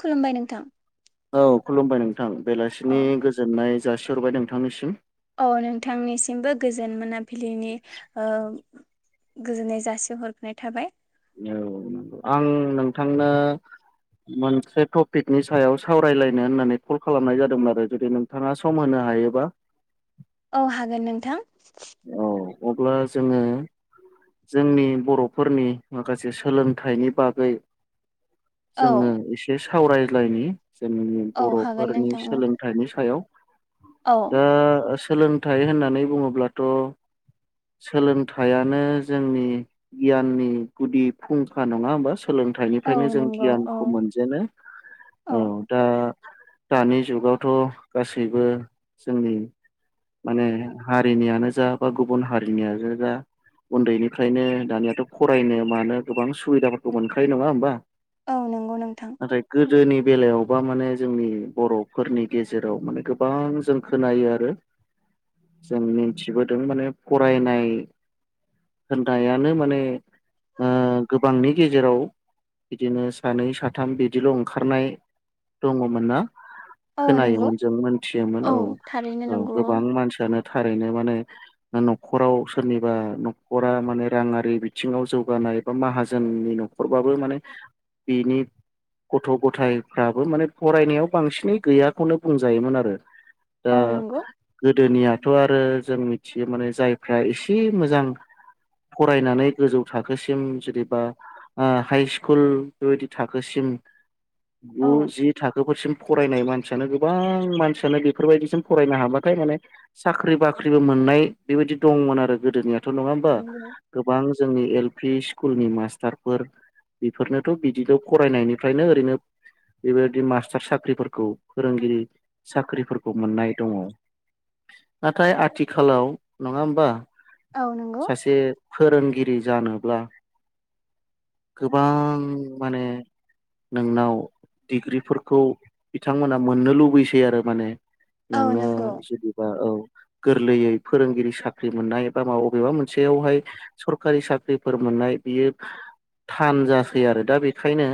खुलुमबाय नोंथां औ खुलुमबाय नोंथां औ बेलासिनि गोजोननाय जासिहरबाय नोंथांनिसिम औ नोंथांनिसिमबो गोजोन मोनाबिलिनि ओ गोजोननाय जासिहरगोरनाय थाबाय औ नंगौ आं नोंथांनो मोनसे टपिकनि सायाव सावरायलायनो होननानै कल खालामनाय जादोंमोन आरो जुदि नोंथाङा सम होनो हायोबा औ हागोन नोंथां औ अब्ला जोङो जोंनि बर'फोरनि माखासे सोलोंथाइनि बागै औ जोङो एसे सावरायलायनि जोंनि औ हागोन बर'फोरनि नोंथां औ सोलोंथाइनि सायाव औ दा सोलोंथाइ होननानै बुङोब्लाथ' सोलोंथायानो जोंनि गियाननि गुदि फुंखा नङा होमबा औ सोलोंथाइनिफ्रायनो जों नंगौ औ गियानखौ मोनजेनो औ दा दानि जुगावथ' गासैबो जोंनि माने हारिनियानो जा बा गुबुन हारिनियानो जा उन्दैनिफ्रायनो दानियाथ' फरायनो मानो गोबां सुबिदाफोरखौ मोनखायो नङा होमबा औ नंगौ नोंथां नाथाय गोदोनि बेलायावबा माने जोंनि बर'फोरनि गेजेराव माने गोबां जों खोनायो आरो जों मिन्थिबोदों माने फरायनाय होननायानो माने ओ गोबांनि गेजेराव बिदिनो सानै साथाम बिदिल' ओंखारनाय दङमोन ना औ नंगौ खोनायोमोन जों मोनथियोमोन औ थारैनो औ नंगौ गोबां मानसियानो थारैनो माने न'खराव सोरनिबा न'खरा माने राङारि बिथिङाव जौगानाय बा मा हाजोननि न'खरबाबो माने बिनि गथ' गथायफ्राबो माने फरायनायाव बांसिनै गैयाखौनो बुंजायोमोन आरो औ नंगौ दोनियाथ' आरो जों मिथियो माने जायफ्रा एसे मोजां फरायनानै गोजौ थाखोसिम जेनेबा आ हाइ स्कुल बेबायदि थाखोसिम औ गु जि थाखोफोरसिम फरायनाय मानसियानो गोबां मानसियानो बेफोरबायदिसिम फरायनो हाबाथाय माने साख्रि बाख्रि साख्रिबो मोननाय बेबायदि दंमोन आरो गोदोनियाथ' नङा होमबा गोबां जोंनि एल पि स्कुलनि मास्टारफोर बेफोरनोथ' बिदिल' फरायनायनिफ्रायनो ओरैनो बेबायदि मास्टार साख्रिफोरखौ फोरोंगिरि साख्रिफोरखौ मोननाय दङ [inaudible] नाथाय आथिखालाव नङा होमबा औ नंगौ सासे फोरोंगिरि जानोब्ला गोबां माने नोंनाव डिग्रिफोरखौ बिथांमोना मोननो लुबैसै आरो माने औ नोङो नंगौ जुदिबा औ गोरलैयै फोरोंगिरि साख्रि मोननाय एबा मा अबेबा मोनसेयावहाय सरखारि साख्रिफोर मोननाय बियो थान जासै आरो दा बेखायनो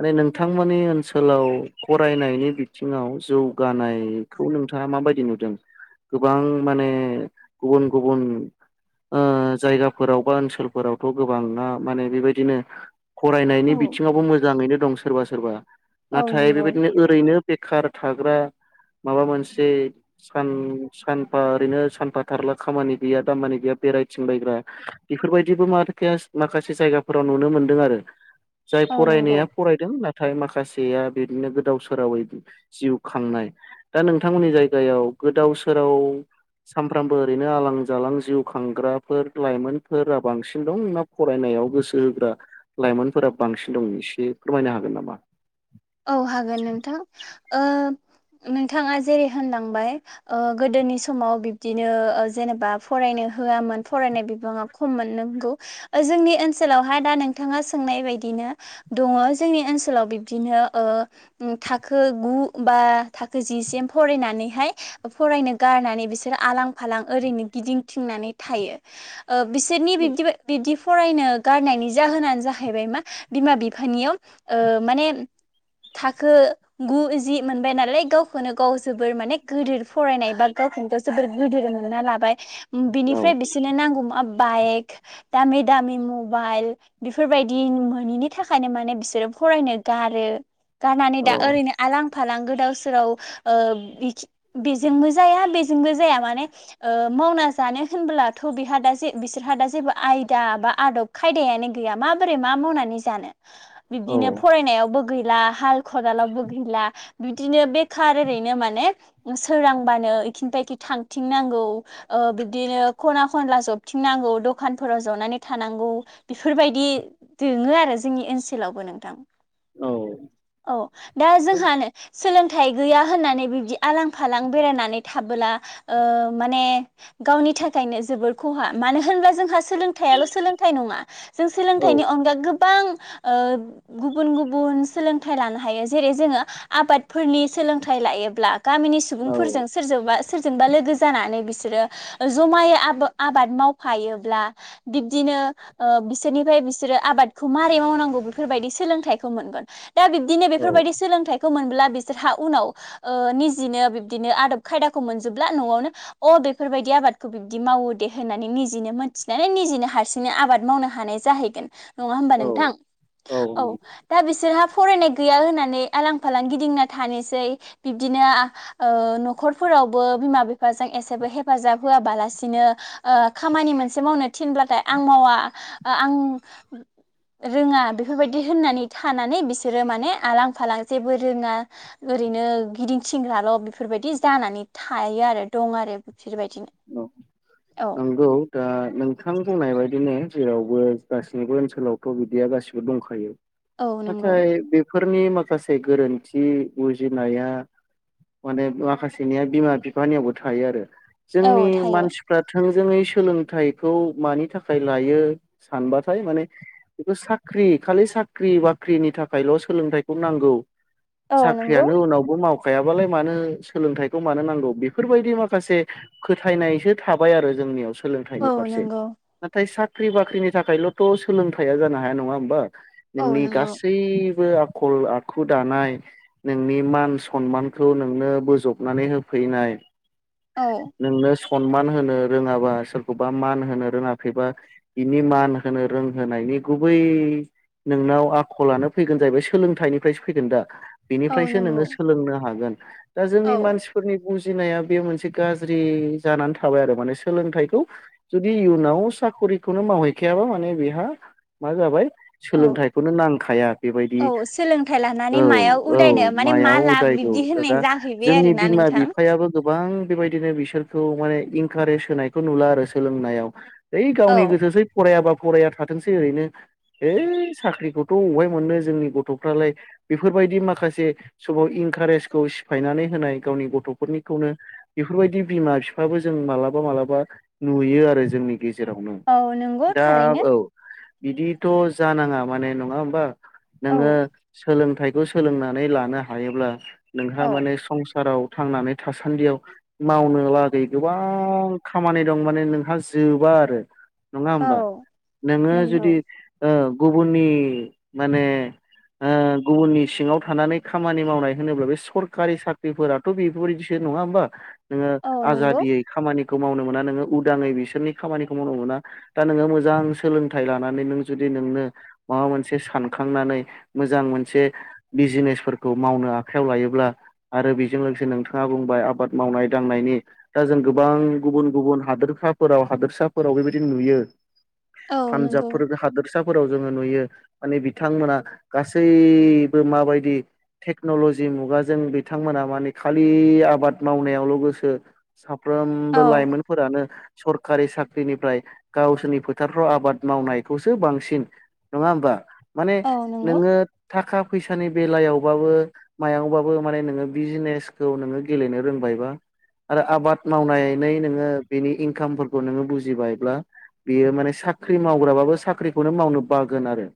माने नोंथांमोननि ओनसोलाव फरायनायनि बिथिङाव जौगानायखौ नोंथाङा माबायदि नुदों गोबां माने गुबुन गुबुन ओ जायगाफोराव बा ओनसोलफोरावथ' गोबाङा माने बेबायदिनो फरायनायनि औ बिथिङावबो मोजाङैनो दं सोरबा सोरबा औ नाथाय नंगौ बेबायदिनो ओरैनो बेखार थाग्रा माबा मोनसे सान सानफा ओरैनो सानफा थारला खामानि गैया दामानि गैया बेरायथिं बायग्रा बेफोरबायदिबो माथो माखासे जायगाफोराव नुनो मोनदों आरो जाय औ नंगौ फरायनाया फरायदों नाथाय माखासे माखासेया बिदिनो गोदाव सोरावै जिउ खांनाय दा नोंथांमोननि जायगायाव गोदाव सो- सोराव सामफ्रामबो ओरैनो आलां जालां जिउ खांग्राफोर लाइमोनफोरा बांसिन दं ना फरायनाय याव गोसो होग्रा लाइमोनफोरा बांसिन दं एसे फोरमायनो हागोन नामा? औ हागोन नोंथां ओ नोंथाङा जेरै होनलांबाय ओ गोदोनि समाव बिब्दिनो ओ जेनेबा फराय- रायनो होआमोन फरायनाय बिबाङा खम मोन नंगौ जोंनि ओनसोलावहाय दा नोंथाङा सोंनाय बेबायदिनो दङ जोंनि ओनसोलाव बिबदिनो ओ थाखो गु बा थाखो जिसिम फरायनानैहाय फरायनो गार- नानै बिसोर आलां फालां ओरैनो गिदिंथिंनानै थायो ओ बिसोरनि बिब्दि बिब्दि फरायनो गारनायनि जाहोनानो जाहैबाय मा बिमा बिफानियाव ओ माने [inaudible] थाखो गु जि मोनबाय नालाय गावखौनो गाव जोबोर माने गोदोर फरायनाय बा गावखौ जोबोर गोदोर मोनना लाबाय औ बिनिफ्राय बिसोरनो नांगौ मा बाइक दामि दामि मुबाइल बेफोरबायदि मोनैनि थाखायनो माने बिसोरो फरायनो गारो गारनानै दा औ ओरैनो आलां फालां गोदाव सोराव ओ बेजोंबो जाया बेजोंबो जाया माने ओ मावना जानो होनबोलाथ' बिहा दा ज बिसोरहा दा जेबो आयदा बा आदब खायदायानो गैया मा माबोरै मा मावनानै जानो बिबदिनो फरायनायावबो गैला हाल खदालावबो गैला बिदिनो बेखार ओरैनो माने सोरांबानो इखैनिफाय इखै थांथिं नांगौ ओ बिबदिनो खना खनला जबथिंनांगौ दखानफोराव जनानै थानांगौ बेफोरबायदि दोङो आरो जोंनि ओनसोलावबो नोंथां औ औ दा जोंहानो सोलों- थाइ गैया होननानै बिबदि आलां फालां बेरायनानै थाबोला ओ माने गावनि नि थाखायनो जोबोर खहा मानो होनब्ला जोंहा सोलोंथाइयाल' सोलोंथाइ नङा जों औ सोलोंथाइनि अनगा गोबां गुबुन गुबुन गुबुन सोलोंथाइ लानो हायो जेरै जोङो आबादफोरनि सोलोंथाइ लायोब्ला गामिनि औ सुबुंफोरजों सोरजोंबा सोरजोंबा लोगो जानानै बिसोरो ओ जमायै आबा आबाद मावफायोब्ला बिब्दि बिसोरनिफ्राय बिसोरो आबादखौ मारै मावनांगौ बेफोरबायदि सोलोंथाइ खौ मोनगोन दा बिब्दिनो औ बेफोरबायदि सोलोंथाइ खौ मोनब्ला बिसोरहा उनाव ओ निजिनो बिबदिनो आदब खायदाखौ मोनजोबब्ला न'आवनो बेफोरबायदि आबादखौ बिब्दि मावो दे होननानै निजिनो मोनथिनानै निजिनो हारसिङै आबाद मावनो हानाय जाहै- -गो नङा होमबा औ नोंथां औ दा बिसोरहा फरायनाय गैया होननानै आलां फालां गिदिंना थानोसै बिब्दिनो न'खरफोरावबो बिमा बिफाजों एसेबो हेफाजाब होआबालासिनो खामानि मोनसे मावनो थाखाय थिनब्लाथाय आं मावा आं रोङा बेफोरबायदि होननानै थानानै बिसोरो माने आलां फालां जेबो रोङा ओरैनो गिदिं थिंग्राल' बेफोर बेबायदि जानानै थायो आरो दं आरो बेफोरबायदिनो औ ओ दा नोंथां बुंनाय बायदिनो जेरावबो गासिनिबो ओनसोलावथ' बिदिया गासिबो दंखायो औ नंगौ नाथाय बेफोरनि माखासे गोरोन्थि बुजिनाया माने माखासेनिया बिमा बिफानियावबो थायो आरो जोंनि औ थायो मानसिफ्रा थों जोङै सोलोंथाइखौ मानि थाखाय लायो सानबाथाय माने बेखौ साख्रि खालि साख्रि बाख्रिनि थाखायल' सोलोंथाइखौ नांगौ औ नंगौ साख्रियानो उनावबो माव खायाबालाय मानो सोलोंथाइखौ मानो नांगौ बेफोरबायदि माखासे फोथायनायसो थाबाय आरो जोंनियाव सोलोंथाइनि औ फारसे नंगौ नाथाय स साख्रि बाख्रिनि थाखायल'थ' सोलोंथाइया जानो हाया नङा होमबा औ नोंनि नंगौ गासै आखल आखु दानाय नोंनि मान सनमानखौ नोंनो बोजबनानै होफै- -नाय‌ औ नोंनो सनमान होनो रोङाबा सोरखौबा मान होनो रोङाखैबा बिनि मान होनो रोंहोनायनि गुबै नोंनाव आखलानो फैगोन जाहैबाय सोलोंथाइनिफ्रायसो फैगोन दा औ बिनिफ्रायसो नंगौ नोङो सोलोंनो हागोन दा जोंनि औ मानसिफोरनि बुजिनाया बे मोनसे गाज्रि जानानै थाबाय आरो माने सोलोंथाइखौ जुदि इयुनाव साख'रिखौनो मावहैखाया मा माने बेहा मा जाबाय औ सोलोंथाइखौनो नांखाया बेबायदि औ सोलोंथाइ लानानै औ मायाव उदायनो औ माने मा मायाव लाब उदाय बिब्दि होननाय दा जाहैबाय जोंनि आरोना बिमा नोंथां बिफायाबो गोबां बेबायदिनो बिसोरखौ माने इनकारेज होनायखौ नुला आरो सोलोंनायाव औ गावनि गोसोसै फरायाबा फराया थाथोंसै ओरैनो हैइ साख्रिखौथ' बबेहाय मोनो जोंनि गथ'फ्रालाय बेफोरबायदि माखासे समाव इनकारेजखौ सिफायनानै होनाय गावनि गथ'फोरनिखौनो बेफोरबायदि बिमा बिफाबो जों मालाबा मालाबा नुयो आरो जोंनि गेजेरावनो औ नंगौ दा थारैनो औ बिदिथ' जानाङा माने नङा होमबा औ नोङो सोलों थाइखौ सोलोंनानै लानो हायोब्ला नोंहा औ माने संसाराव थांनानै थासान्दियाव मावनो लागै गोबां खामानि दं माने नोंहा जोबा आरो नङा होमबा औ नोङो नंगौ जुदि ओ गुबुननि माने ओ गुबुननि सिङाव थानानै खामानि मावनाय होनोब्ला बे सरखारि साख्रिफोराथ' बेफोरबायदिसो नङा हबा नोङो औ नंगौ आजादि खामानि खौ मावनो मोना नोङो उदाङै बिसोरनि खामानिखौ मावनो मोना दा नोङो मोजां सोलोंथाइ लानानै नों जुदि नोंनो माबा मोनसे सानखांनानै मोजां मोनसे बिजनेसफोरखौ मावनो आखायाव लायोब्ला आरो बेजों लोगोसे नोंथाङा बुंबाय आबाद मावनाय दांनायनि दा जों गोबां गुबुन गुबुन हादोरसाफोराव हादोरसाफोराव बेबायदि नुयो औ नंगौ पानजाबफोर बे हादर साफोराव जोङो नुयो माने बिथांमोना गासैबो माबायदि टेकनलजि मुगाजों बिथांमोना मान खालि आबाद मावनायावल' गोसो साफ्रोमबो औ लाइमोनफोरानो सरखारि साख्रिनिफ्राय गावसोरनि फोथारफ्राव आबाद मावनायखौसो बांसिन नङा होमबा माने औ नंगौ नोङो थाखा फैसानि बेलायावबाबो मायावबाबो माने नोङो बिजनेसखौ नोङो गेलेनो रोंबायबा आरो आबाद मावनानै नोङो बेनि इनकामफोरखौ नोङो बुजिबायब्ला बेयो माने साख्रि मावग्राबाबो साख्रिखौनो मावनो बागोन आरो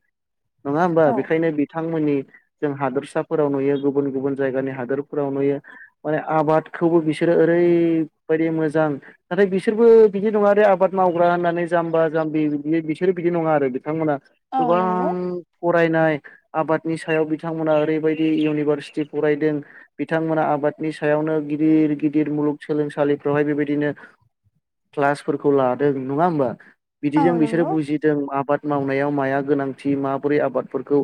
नङा होमबा औ बेखायनो बिथांमोननि जों हादोरसाफोराव नुयो गुबुन गुबुन जायगानि हादोरफोराव नुयो माने आबादखौबो बिसे बिसोरो ओरैबायदि मोजां नाथाय बिसोरबो बिदि नङा आरो आबाद मावग्रा होननानै जाम्बा जाम्बा जामबि बिसोर बिदि नङा आरो बिथांमोना औ नंगौ गोबां फरायनाय आबादनि सायाव बिथांमोना ओरैबायदि इउनिभारसिटि फरायदों बिथांमोना आबादनि सायाव गिदिर गिदिर गिदिर मुलुगसोलोंसालिफ्रावहाय बेबायदिनो क्लासफोरखौ लादों नङा होमबा औ बिदिजों बिसोर नंगौ बुजिदों आबाद मावो मावनायाव माया माया गोनांथि माबोरै आबादफोरखौ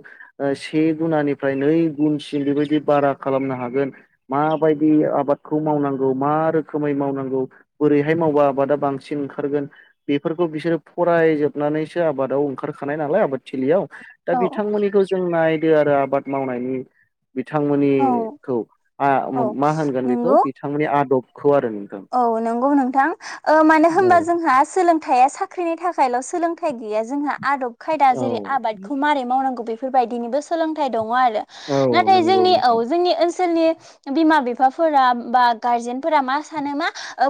से गुनानिफ्राय नै गुनसिम बेबायदि बारा खालामनो हागोन माबायदि आबादखौ मावनांगौ मा रोखोमै मावनांगौ बोरैहाय मावबा आबादा बांसिन ओंखारगोन बेफोरखौ बिसोरो फरायजोबनानैसो आबादाव ओंखारखानाय नालाय आबादथिलियाव दा औ बिथांमोननिखौ जों नायदो आरो आबाद मावनायनि औ बिथांमोननिखौ औ मा होनगोन बेखौ नंगौ बिथांमोननि आदबखौ आरो नोंथां औ नंगौ नोंथां ओ मानो औ होनबा जोंहा सोलोंथाइया साख्रिनि थाखाय आथिखाइलाव सोलोंथाइ गैया जोंहा आदब खायदा औ जेरै आबादखौ मारै मावनांगौ बे बेफोरबायदिनिबो सोलोंथाइ दङ आरो औ नाथाय नंगौ जोंनि औ नोंथां जोंनि ओनसोलनि बिमा बिफाफोरा बा गारजेनफोरा मा सानो मा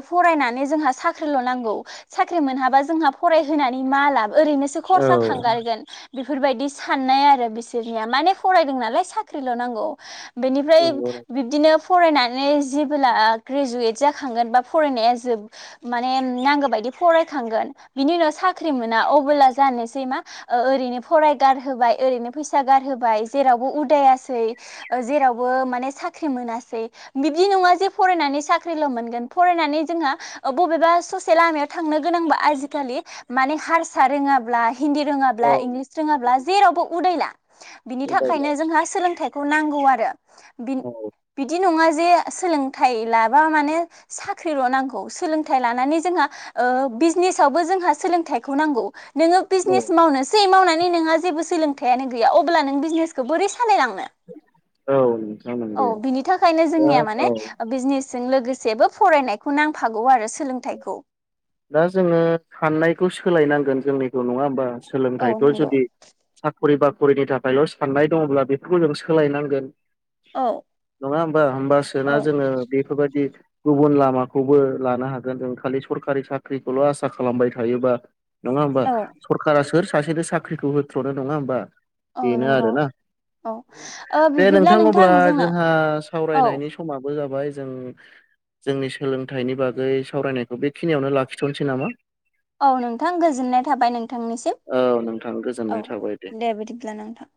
फरायनानै जोंहा साख्रिल नांगौ साख्रि मोनहाबा जोंहा फरायहोनानै मा लाब ओरैनोसो औ खरसा थांगारगोन बेफोरबायदि साननाय आरो बिसोरनिया माने फरायदों नालाय साख्रिल नांगौ बेनिफ्राय नंगौ नोंथां बिब्दिनो फरायनानै जेबोला ग्रेजुयेट जाखांगोन बा फरायनाया जोबगोन माने नांगौ बादि फरायखांगोन बिनि उनाव साख्रि मोना अबोला जानोसै मा ओरैनो फराय गारहोबाय ओरैनो फैसा गारहोबाय जेरावबो उदा जेरावबो माने साख्रि मोनासै बिदि नङा जे फरायनानै सा साख्रिल मोनगोन फरायनानै जोंहा बबेबा ससे लामायाव थांनो गोनांबा आजिखालि माने हारसा रोङाब्ला हिन्दी औ रोङाब्ला इंलिस रोङाब्ला जेरावबो उदाइला बिनि उदायलाय थाखायनो जोंहा सोलोंथाइ खौ नांगौ आरो औ बिदि नङाजे सोलोंथाय माने साख्रिल नांगौ सोलोंथाय लानानै जोंहा ओ बिजिनेसआवबो थाइखौ नांगौ नोङो औ बिजनेस मावनोसै मावनानै नोंहा जेबो सोलोंथाइयानो गैया अब्ला नों बिजनेसखौ बोरै लांनो औ नोंथां औ नंगौ बिनि थाखायनो दा जोंनिया माने औ बिजनेस जों लोगोसेबो फरायनायखौ नांफागौ आरो सोलोंथाइखौ दा जोङो साननायखौ सोलायनांगोन जोंनिखौ नङा होमबा औ सोलोंथाइखौ नंगौ जुदि साखरि बाखरिनि थाखायल साननाय दङब्ला बेफोरखौ जों सोलायनांगोन औ बा औ होमबासोना जोङो बेफोरबायदि गुबुन लामाखौबो लानो हागोन जों खालि सरकारि साख्रिखौल आसा खालामबाय थायोबा नङा होमबा औ सरकारा सोर सासेनो साख्रिखौ होथ्रनो नङा होमबा औ बेनो नांगौ आरोना दे नोंथां अब्ला जोंना जोंहा औ सावरायनायनि समाबो जाबाय बाय जों जोंनि सोलोंथाइनि बागै सावरायनायखौ बेखिनियावनो लाखिथनोसै नामा औ नोंथां गोजोननाय थाबाय नोंथांनिसिम औ नोंथां औ गोजोननाय थाबाय दे बिदिब्ला नोंथां